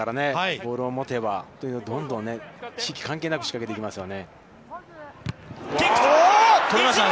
ボールを持てばというどんどん関係なく仕掛けていきますよね。